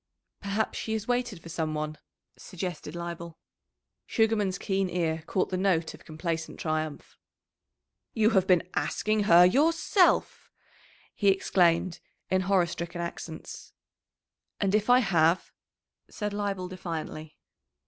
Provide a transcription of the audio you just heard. "Perhaps she has waited for some one," suggested Leibel. Sugarman's keen ear caught the note of complacent triumph. "You have been asking her yourself!" he exclaimed in horror stricken accents. "And if I have?" said Leibel defiantly.